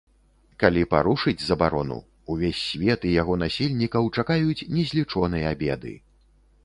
Калі парушыць забарону, увесь свет і яго насельнікаў чакаюць незлічоныя беды.